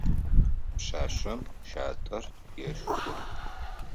Пшъашъэм щатэр ешхы.